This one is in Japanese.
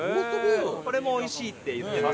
これもおいしいって言ってます。